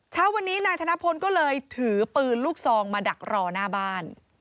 เช้าวันนี้นายธนพลก็เลยถือปืนลูกซองมาดักรอหน้าบ้าน